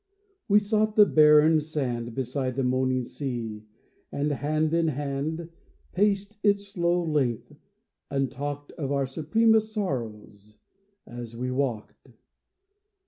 We sought the barren sand Beside the moaning sea, and, hand in hand, Paced its slow length, and talked Of our supremest sorrows as we walked.